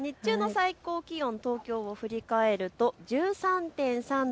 日中の最高気温、東京を振り返ると１３．３度。